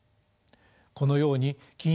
このように金融